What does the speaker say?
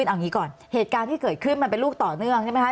เอางี้ก่อนเหตุการณ์ที่เกิดขึ้นมันเป็นลูกต่อเนื่องใช่ไหมคะ